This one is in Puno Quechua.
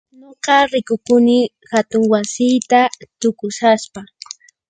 Nuqa rikukuni hatun wasiyta tukushiaspa.